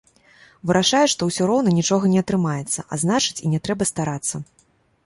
Вырашае, што ўсё роўна нічога не атрымаецца, а значыць, і не трэба старацца.